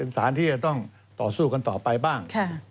สารที่จะต้องต่อสู้กันต่อไปบ้าง